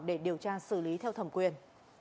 để điều tra xử lý theo thẩm quyền